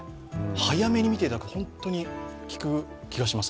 早めに診ていただくと、本当に効く気がします。